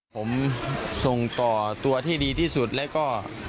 ผมส่งต่อตัวที่ดีที่สุดแล้วก็